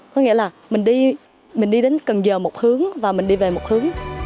có nghĩa là mình đi đến cần giờ một hướng và mình đi về một hướng